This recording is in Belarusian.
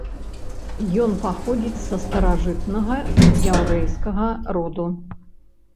Ён паходзіць са старажытнага яўрэйскага роду.